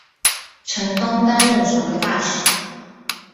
陈东担任首位大使。